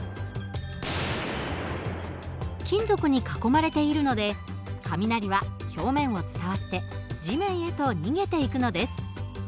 金属に囲まれているので雷は表面を伝わって地面へと逃げていくのです。